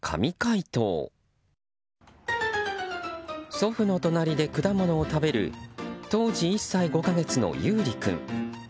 祖父の隣で果物を食べる当時１歳５か月のゆうり君。